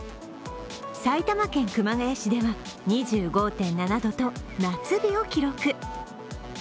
埼玉県熊谷市では２５．７度と夏日を記録。